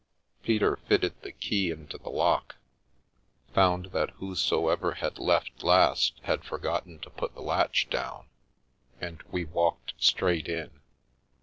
Peter fitted the key into the lock, found that whosoever had left last had forgotten to put the latch down, and we walked straight in.